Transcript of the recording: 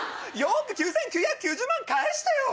４億９９９０万返してよ！